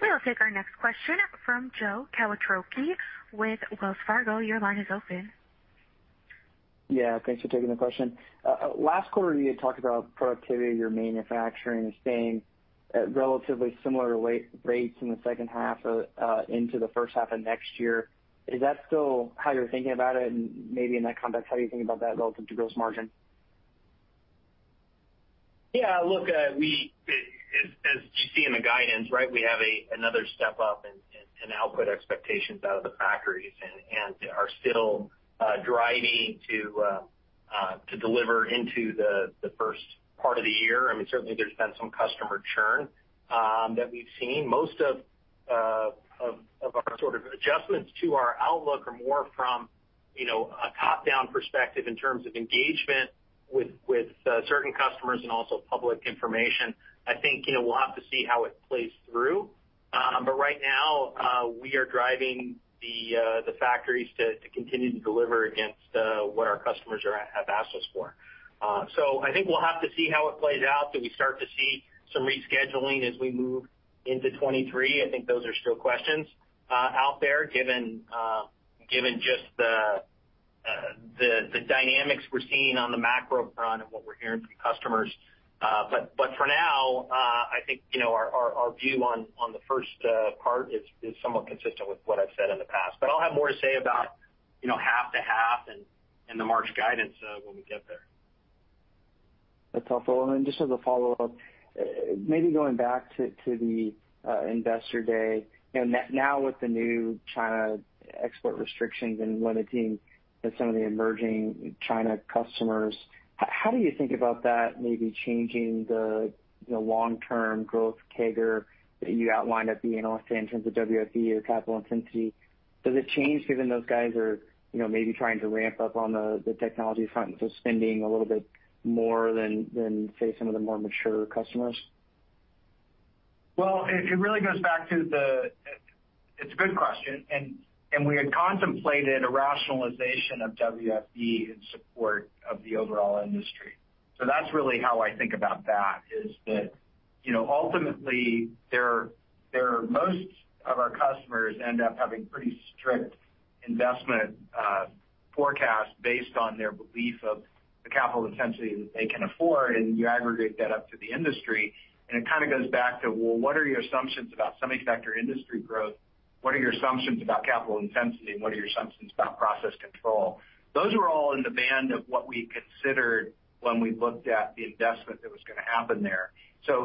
Speaker 1: We'll take our next question from Joe Quatrochi with Wells Fargo. Your line is open.
Speaker 10: Yeah, thanks for taking the question. Last quarter, you had talked about productivity, your manufacturing staying at relatively similar wafer rates in the second half of into the first half of next year. Is that still how you're thinking about it? Maybe in that context, how are you thinking about that relative to gross margin?
Speaker 4: Yeah, look, as you see in the guidance, right, we have another step up in output expectations out of the factories and are still driving to deliver into the first part of the year. I mean, certainly there's been some customer churn that we've seen. Most of our sort of adjustments to our outlook are more from, you know, a top-down perspective in terms of engagement with certain customers and also public information. I think, you know, we'll have to see how it plays through. Right now, we are driving the factories to continue to deliver against what our customers have asked us for. I think we'll have to see how it plays out. Do we start to see some rescheduling as we move into 2023? I think those are still questions out there, given just the dynamics we're seeing on the macro front and what we're hearing from customers. For now, I think, you know, our view on the first part is somewhat consistent with what I've said in the past. I'll have more to say about, you know, half to half in the March guidance, when we get there.
Speaker 10: That's helpful. Then just as a follow-up, maybe going back to the Investor Day. You know, now with the new China export restrictions and limiting some of the emerging China customers, how do you think about that maybe changing the, you know, long-term growth CAGR that you outlined at the Investor Day in terms of WFE or capital intensity? Does it change given those guys are, you know, maybe trying to ramp up on the technology front, so spending a little bit more than, say, some of the more mature customers?
Speaker 4: It really goes back to the. It's a good question, and we had contemplated a rationalization of WFE in support of the overall industry. That's really how I think about that, is that, you know, ultimately, most of our customers end up having pretty strict investment forecasts based on their belief of the capital intensity that they can afford, and you aggregate that up to the industry, and it kind of goes back to, well, what are your assumptions about semiconductor industry growth? What are your assumptions about capital intensity? And what are your assumptions about process control? Those were all in the band of what we considered when we looked at the investment that was gonna happen there.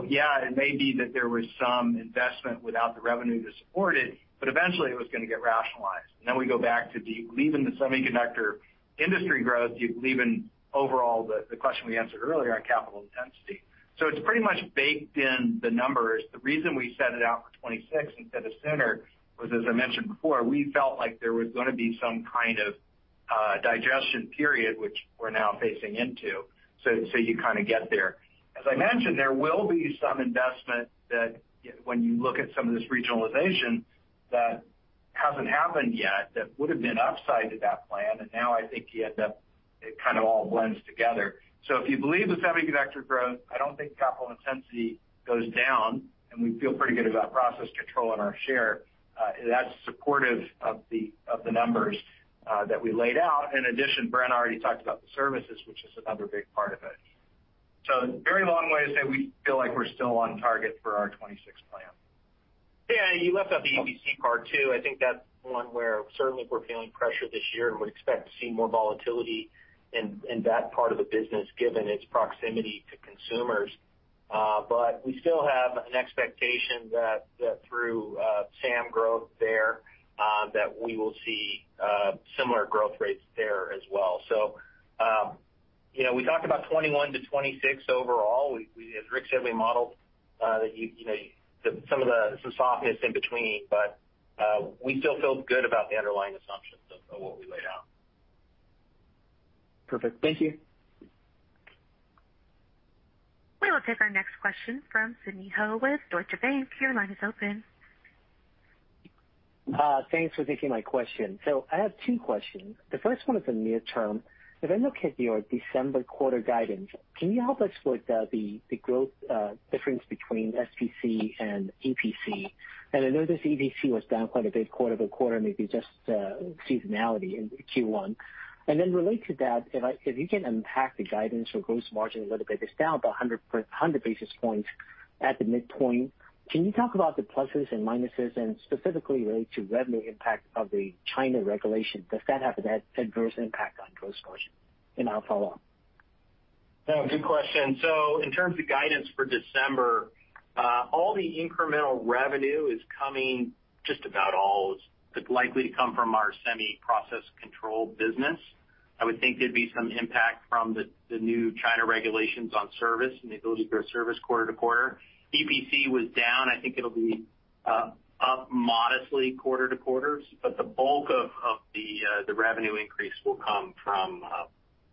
Speaker 4: Yeah, it may be that there was some investment without the revenue to support it, but eventually it was gonna get rationalized. Then we go back to, do you believe in the semiconductor industry growth? Do you believe in overall the question we answered earlier on capital intensity. It's pretty much baked in the numbers. The reason we set it out for 2026 instead of sooner was, as I mentioned before, we felt like there was gonna be some kind of digestion period, which we're now facing into. You kind of get there. As I mentioned, there will be some investment that, when you look at some of this regionalization, that hasn't happened yet, that would've been upside to that plan, and now I think you end up, it kind of all blends together. If you believe the semiconductor growth, I don't think capital intensity goes down, and we feel pretty good about process control and our share. That's supportive of the numbers that we laid out. In addition, Bren already talked about the services, which is another big part of it. Very long way to say we feel like we're still on target for our 2026 plan. Yeah, you left out the EPC part too. I think that's one where certainly we're feeling pressure this year and would expect to see more volatility in that part of the business given its proximity to consumers. But we still have an expectation that through SAM growth there that we will see similar growth rates there as well. You know, we talked about 2021 to 2026 overall. As Rick said, we modeled, you know, some of the softness in between, but we still feel good about the underlying assumptions of what we laid out.
Speaker 10: Perfect. Thank you.
Speaker 1: We will take our next question from Sidney Ho with Deutsche Bank. Your line is open.
Speaker 11: Thanks for taking my question. I have two questions. The first one is the near term. If I look at your December quarter guidance, can you help us with the growth difference between SPC and EPC? I know this EPC was down quite a bit quarter-over-quarter, maybe just seasonality in Q1. Then related to that, if you can unpack the guidance for gross margin a little bit, it's down by 100 basis points at the midpoint. Can you talk about the pluses and minuses and specifically related to revenue impact of the China regulation? Does that have an adverse impact on gross margin? I'll follow up.
Speaker 4: No, good question. In terms of guidance for December, all the incremental revenue is coming, just about all is likely to come from our semi process control business. I would think there'd be some impact from the new China regulations on service and the ability to do service quarter to quarter. EPC was down. I think it'll be up modestly quarter to quarter, but the bulk of the revenue increase will come from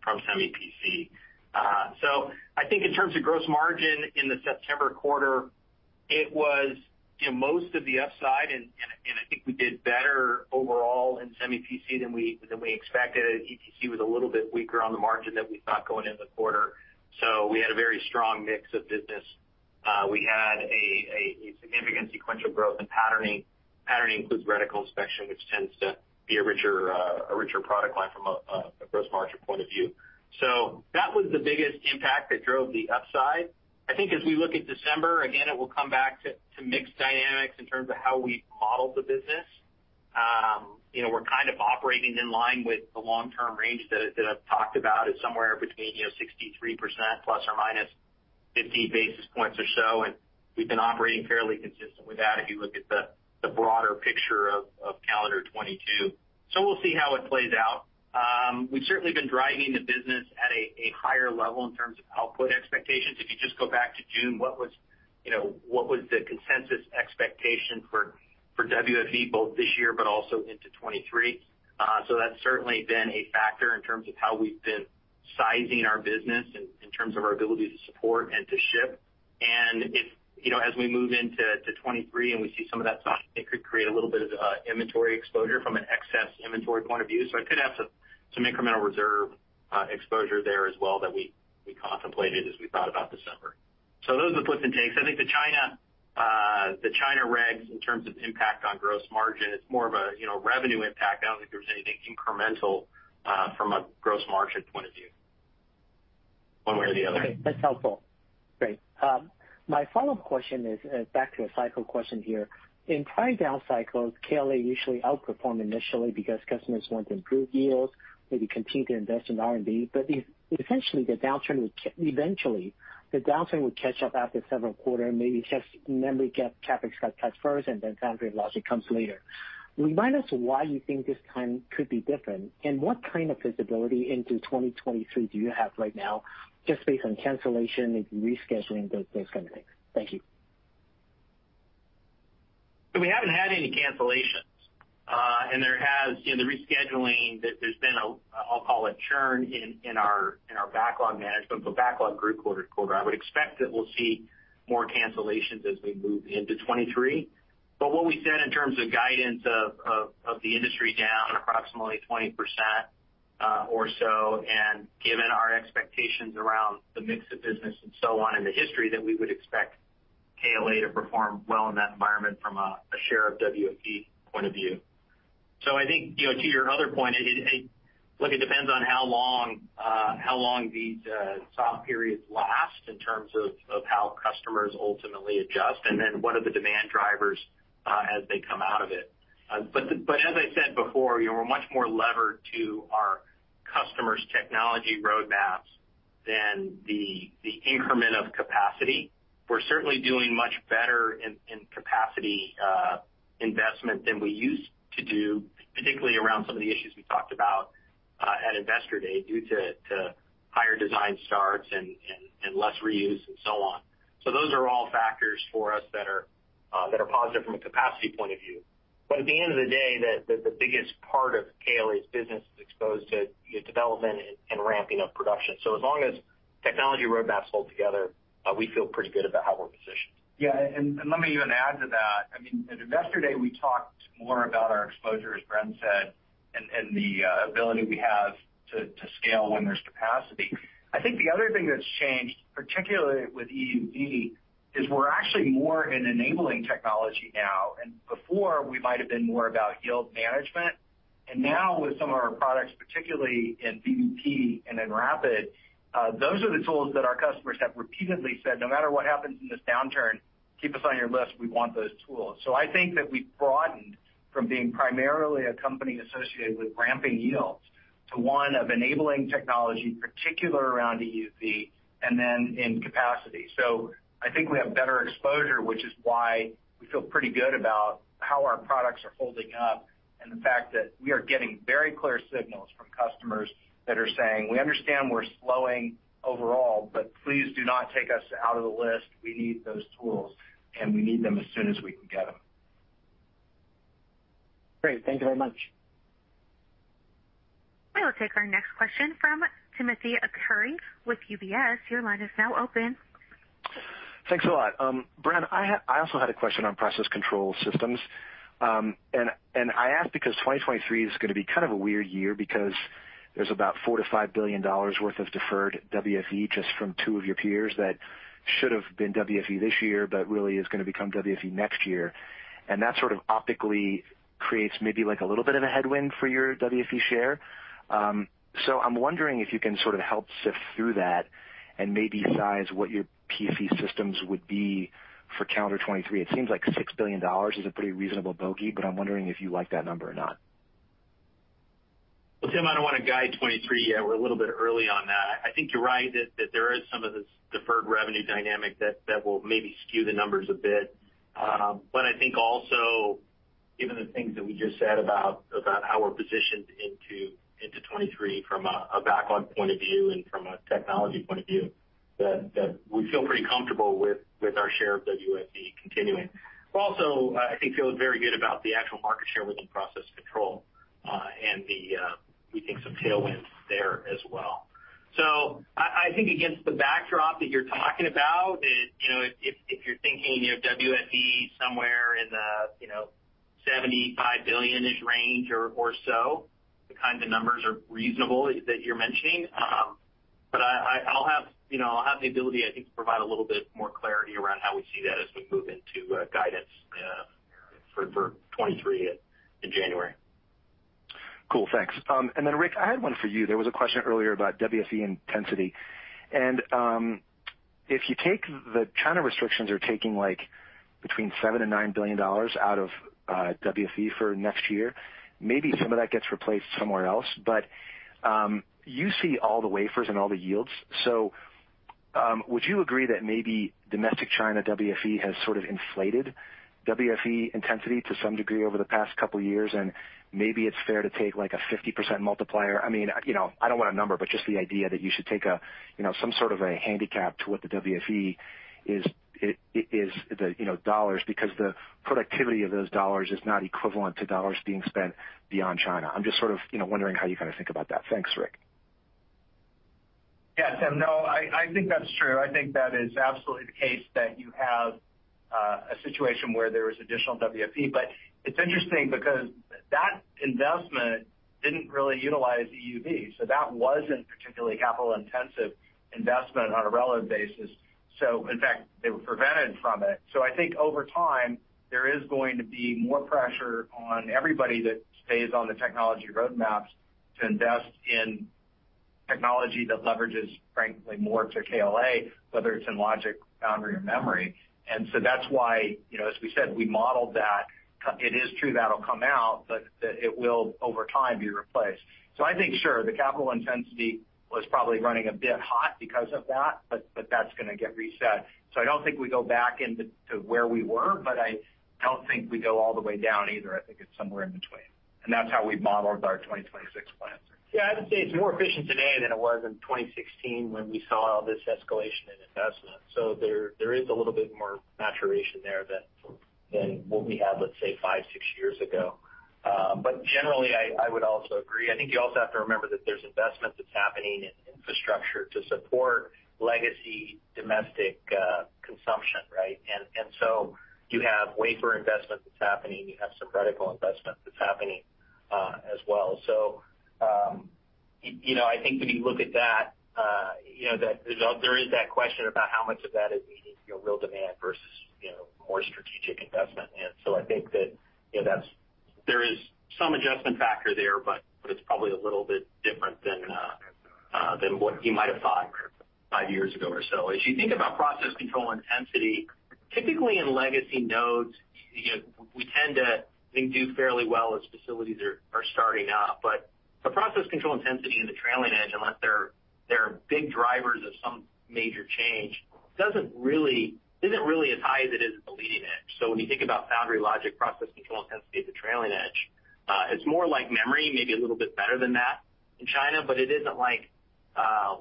Speaker 4: SEMI PC. I think in terms of gross margin in the September quarter, it was, you know, most of the upside, and I think we did better overall in SEMI PC than we expected. EPC was a little bit weaker on the margin than we thought going into the quarter. We had a very strong mix of business. We had a significant sequential growth in patterning. Patterning includes reticle inspection, which tends to be a richer product line from a gross margin point of view. That was the biggest impact that drove the upside. I think as we look at December, again, it will come back to mix dynamics in terms of how we model the business. You know, we're kind of operating in line with the long-term range that I've talked about is somewhere between 63% ±50 basis points or so, and we've been operating fairly consistent with that if you look at the broader picture of calendar 2022. We'll see how it plays out. We've certainly been driving the business at a higher level in terms of output expectations. If you just go back to June, what was the consensus expectation for WFE both this year but also into 2023. That's certainly been a factor in terms of how we've been sizing our business in terms of our ability to support and to ship. If, as we move into 2023 and we see some of that soften, it could create a little bit of inventory exposure from an excess inventory point of view. It could have some incremental reserve exposure there as well that we contemplated as we thought about December. Those are the puts and takes. I think the China regs in terms of impact on gross margin, it's more of a revenue impact. I don't think there's anything incremental, from a gross margin point of view one way or the other.
Speaker 11: Okay. That's helpful. Great. My follow-up question is back to a cycle question here. In prior down cycles, KLA usually outperformed initially because customers want improved yields, maybe continue to invest in R&D. Essentially the downturn would eventually catch up after several quarter, maybe just memory CapEx got cut first, and then foundry logic comes later. Remind us why you think this time could be different, and what kind of visibility into 2023 do you have right now just based on cancellation, maybe rescheduling, those kind of things? Thank you.
Speaker 4: We haven't had any cancellations. There has, you know, been rescheduling that there's been a. I'll call it churn in our backlog management, but backlog grew quarter to quarter. I would expect that we'll see more cancellations as we move into 2023. What we said in terms of guidance of the industry down approximately 20%, or so, and given our expectations around the mix of business and so on in the history, that we would expect KLA to perform well in that environment from a share of WFE point of view. I think, you know, to your other point, it depends on how long these soft periods last in terms of how customers ultimately adjust, and then what are the demand drivers as they come out of it. As I said before, you know, we're much more levered to our customers' technology roadmaps than the increment of capacity. We're certainly doing much better in capacity investment than we used to do, particularly around some of the issues we talked about at Investor Day, due to higher design starts and less reuse and so on.
Speaker 3: Those are all factors for us that are positive from a capacity point of view. At the end of the day, the biggest part of KLA's business is exposed to, you know, development and ramping of production. As long as technology roadmaps hold together, we feel pretty good about how we're positioned. Yeah, and let me even add to that. I mean, at Investor Day, we talked more about our exposure, as Bren said, and the ability we have to scale when there's capacity. I think the other thing that's changed, particularly with EUV, is we're actually more an enabling technology now, and before we might have been more about yield management. Now with some of our products, particularly in BBP and in RAPID, those are the tools that our customers have repeatedly said, "No matter what happens in this downturn, keep us on your list. We want those tools." I think that we've broadened from being primarily a company associated with ramping yields to one of enabling technology, particularly around EUV, and then in capacity. I think we have better exposure, which is why we feel pretty good about how our products are holding up, and the fact that we are getting very clear signals from customers that are saying, "We understand we're slowing overall, but please do not take us out of the list. We need those tools, and we need them as soon as we can get them.
Speaker 11: Great. Thank you very much.
Speaker 1: We will take our next question from Timothy Arcuri with UBS. Your line is now open.
Speaker 12: Thanks a lot. Bren, I also had a question on process control systems. I ask because 2023 is gonna be kind of a weird year because there's about $4 billion-$5 billion worth of deferred WFE just from two of your peers that should have been WFE this year, but really is gonna become WFE next year. That sort of optically creates maybe like a little bit of a headwind for your WFE share. I'm wondering if you can sort of help sift through that and maybe size what your WFE systems would be for calendar 2023. It seems like $6 billion is a pretty reasonable bogey, but I'm wondering if you like that number or not.
Speaker 4: Well, Tim, I don't want to guide 2023 yet. We're a little bit early on that. I think you're right that there is some of this deferred revenue dynamic that will maybe skew the numbers a bit. I think also given the things that we just said about how we're positioned into 2023 from a backlog point of view and from a technology point of view, that we feel pretty comfortable with our share of WFE continuing. We also, I think, feel very good about the actual market share within process control, and then we think some tailwinds there as well. I think against the backdrop that you're talking about, you know, if you're thinking, you know, WFE somewhere in the 75 billion-ish range or so, the kinds of numbers are reasonable that you're mentioning. But I'll have the ability, I think, to provide a little bit more clarity around how we see that as we move into guidance for 2023 in January.
Speaker 12: Cool. Thanks. Rick, I had one for you. There was a question earlier about WFE intensity. If you take the China restrictions are taking, like, between $7 billion and $9 billion out of WFE for next year, maybe some of that gets replaced somewhere else. You see all the wafers and all the yields. Would you agree that maybe domestic China WFE has sort of inflated WFE intensity to some degree over the past couple of years, and maybe it's fair to take, like, a 50% multiplier? I mean, you know, I don't want a number, but just the idea that you should take a, you know, some sort of a handicap to what the WFE is, you know, dollars because the productivity of those dollars is not equivalent to dollars being spent beyond China. I'm just sort of, you know, wondering how you kind of think about that. Thanks, Rick.
Speaker 4: Yeah. Tim, no, I think that's true. I think that is absolutely the case that you have a situation where there is additional WFE. It's interesting because that investment didn't really utilize EUV, so that wasn't particularly capital intensive investment on a relative basis. In fact, they were prevented from it. I think over time, there is going to be more pressure on everybody that stays on the technology roadmaps to invest in technology that leverages, frankly, more to KLA, whether it's in logic, foundry, or memory. That's why, you know, as we said, we modeled that. It is true that'll come out, but that it will over time be replaced. I think, sure, the capital intensity was probably running a bit hot because of that, but that's going to get reset. I don't think we go back into where we were, but I don't think we go all the way down either. I think it's somewhere in between, and that's how we've modeled our 2026 plans. Yeah. I would say it's more efficient today than it was in 2016 when we saw this escalation in investment. There is a little bit more maturation there than what we had, let's say, five, six years ago. But generally, I would also agree. I think you also have to remember that there's investment that's happening in infrastructure to support legacy domestic consumption, right? So you have wafer investment that's happening. You have some reticle investment that's happening, as well. You know, I think when you look at that, you know, there is that question about how much of that is meeting, you know, real demand versus, you know, more strategic investment. I think that, you know, that there is some adjustment factor there, but it's probably a little bit different than what you might have thought five years ago or so. As you think about process control intensity, typically in legacy nodes, you know, we tend to, I think, do fairly well as facilities are starting up. The process control intensity in the trailing edge, unless they're big drivers of some major change, isn't really as high as it is at the leading edge. When you think about foundry logic, process control intensity at the trailing edge, it's more like memory, maybe a little bit better than that in China, but it isn't like a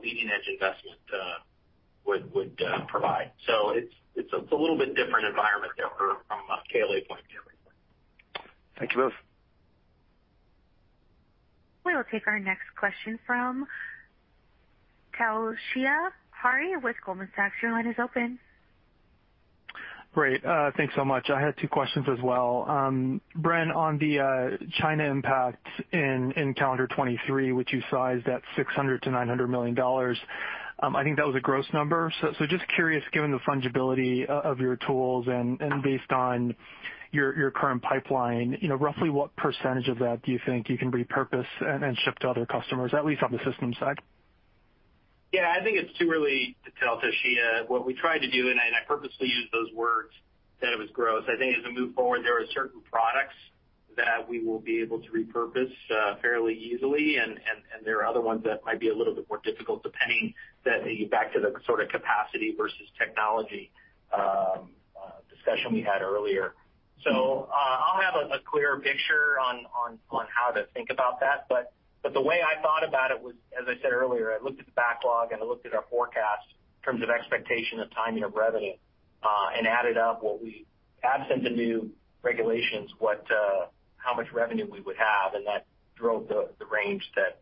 Speaker 4: leading edge investment would provide. It's a little bit different environment there from a KLA point of view.
Speaker 12: Thank you both.
Speaker 1: We will take our next question from Toshiya Hari with Goldman Sachs. Your line is open.
Speaker 13: Great. Thanks so much. I had two questions as well. Bren, on the China impact in calendar 2023, which you sized at $600 million-$900 million, I think that was a gross number. So just curious, given the fungibility of your tools and based on your current pipeline, you know, roughly what percentage of that do you think you can repurpose and ship to other customers, at least on the systems side?
Speaker 4: Yeah. I think it's too early to tell, Toshiya. What we tried to do, and I purposely used those words, that it was gross. I think as we move forward, there are certain products that we will be able to repurpose fairly easily, and there are other ones that might be a little bit more difficult depending, that brings us back to the sort of capacity versus technology discussion we had earlier. I'll have a clearer picture on how to think about that. The way I thought about it was, as I said earlier, I looked at the backlog and I looked at our forecast in terms of expectation of timing of revenue, and added up, absent the new regulations, how much revenue we would have, and that drove the range that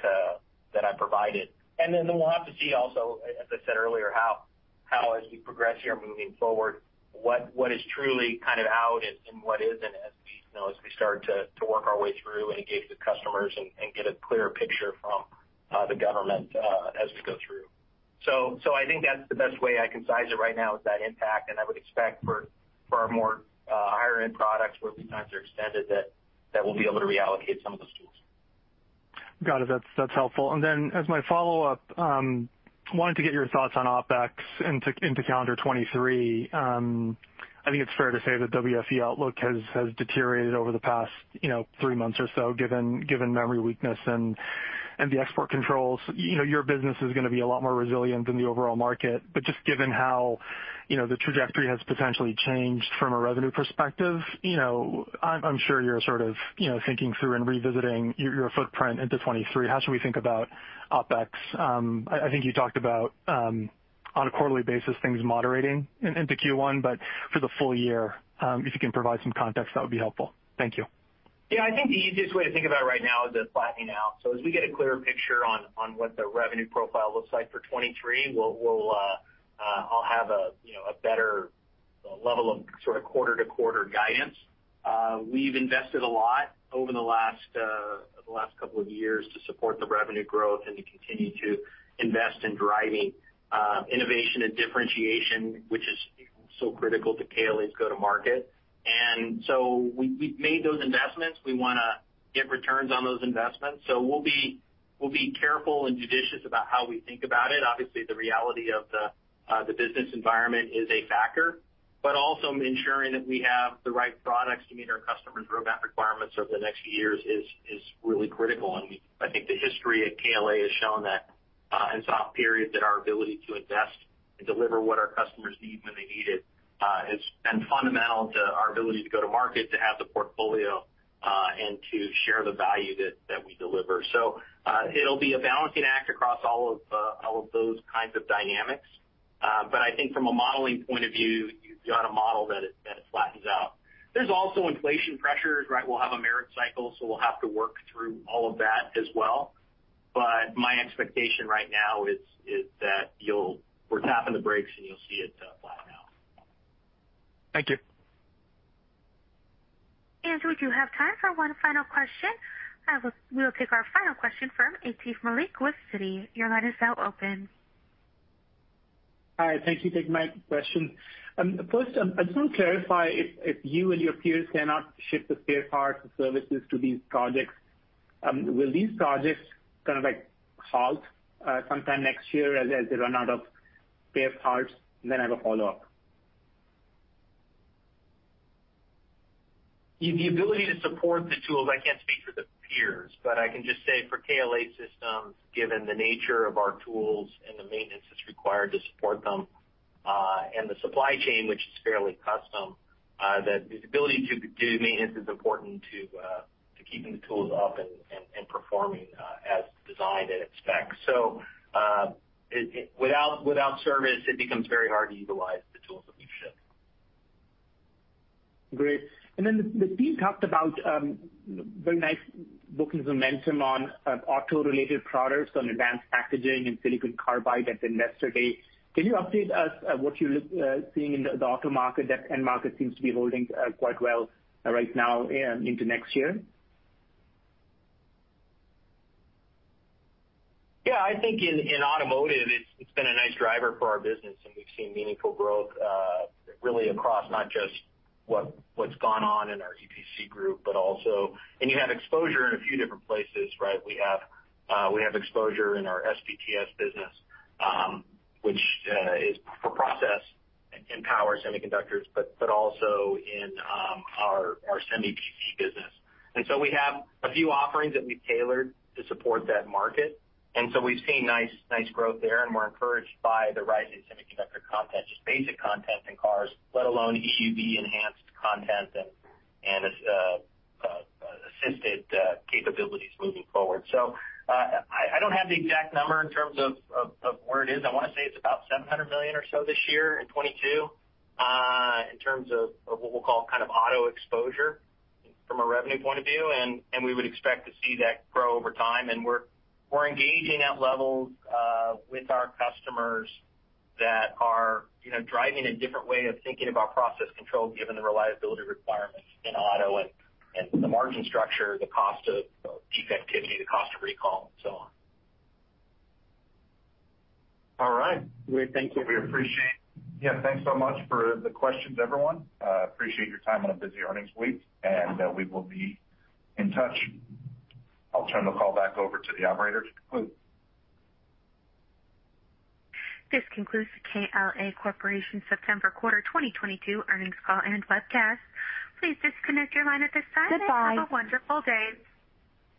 Speaker 4: I provided. Then we'll have to see also, as I said earlier, how as we progress here moving forward, what is truly kind of out and what isn't as we, you know, as we start to work our way through, engage the customers and get a clearer picture from the government as we go through. I think that's the best way I can size it right now is that impact. I would expect for our higher end products where lead times are extended, that we'll be able to reallocate some of those tools.
Speaker 13: Got it. That's helpful. As my follow-up, wanted to get your thoughts on OpEx into calendar 2023. I think it's fair to say that WFE outlook has deteriorated over the past, you know, three months or so, given memory weakness and the export controls. You know, your business is gonna be a lot more resilient than the overall market, but just given how, you know, the trajectory has potentially changed from a revenue perspective, you know, I'm sure you're sort of, you know, thinking through and revisiting your footprint into 2023. How should we think about OpEx? I think you talked about on a quarterly basis, things moderating into Q1, but for the full year, if you can provide some context, that would be helpful. Thank you.
Speaker 4: Yeah. I think the easiest way to think about it right now is it's flattening out. As we get a clearer picture on what the revenue profile looks like for 2023, we'll have a you know a better level of sort of quarter to quarter guidance. We've invested a lot over the last couple of years to support the revenue growth and to continue to invest in driving innovation and differentiation, which is so critical to KLA's go-to-market. We've made those investments. We wanna get returns on those investments. We'll be careful and judicious about how we think about it. Obviously, the reality of the business environment is a factor, but also ensuring that we have the right products to meet our customers' roadmap requirements over the next few years is really critical. I think the history at KLA has shown that in soft periods that our ability to invest and deliver what our customers need when they need it has been fundamental to our ability to go to market, to have the portfolio, and to share the value that we deliver. It'll be a balancing act across all of those kinds of dynamics. I think from a modeling point of view, you've got a model that flattens out. There's also inflation pressures, right? We'll have a merit cycle, so we'll have to work through all of that as well. My expectation right now is that we're tapping the brakes, and you'll see it flatten out.
Speaker 13: Thank you.
Speaker 1: We do have time for one final question. We will take our final question from Atif Malik with Citi. Your line is now open.
Speaker 14: Hi. Thank you. Thank you for taking my question. First, I just want to clarify if you and your peers cannot ship the spare parts and services to these projects, will these projects kind of like halt sometime next year as they run out of spare parts? Then I have a follow-up.
Speaker 4: The ability to support the tools, I can't speak for the peers, but I can just say for KLA systems, given the nature of our tools and the maintenance that's required to support them, and the supply chain, which is fairly custom, this ability to do maintenance is important to keeping the tools up and performing as designed and expected. Without service, it becomes very hard to utilize the tools that we've shipped.
Speaker 14: Great. Then the team talked about very nice booking momentum on auto-related products on advanced packaging and silicon carbide at the Investor Day. Can you update us what you're seeing in the auto market? That end market seems to be holding quite well right now and into next year.
Speaker 4: Yeah. I think in automotive, it's been a nice driver for our business, and we've seen meaningful growth really across not just what's gone on in our EPC group, but also. You have exposure in a few different places, right? We have exposure in our SPTS business, which is for process and power semiconductors, but also in our Semi PC business. We have a few offerings that we've tailored to support that market. We've seen nice growth there, and we're encouraged by the rising semiconductor content, just basic content in cars, let alone EUV-enhanced content and assisted capabilities moving forward. I don't have the exact number in terms of where it is. I wanna say it's about $700 million or so this year in 2022, in terms of what we'll call kind of auto exposure from a revenue point of view. We would expect to see that grow over time. We're engaging at levels with our customers that are, you know, driving a different way of thinking about process control given the reliability requirements in auto and the margin structure, the cost of defectivity, the cost of recall, and so on.
Speaker 14: All right. Great. Thank you.
Speaker 4: We appreciate
Speaker 2: Yeah. Thanks so much for the questions, everyone. Appreciate your time on a busy earnings week, and we will be in touch. I'll turn the call back over to the operator to conclude.
Speaker 1: This concludes the KLA Corporation September quarter 2022 earnings call and webcast. Please disconnect your line at this time.
Speaker 4: Goodbye.
Speaker 1: Have a wonderful day.